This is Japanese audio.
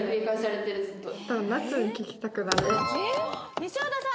西畑さん。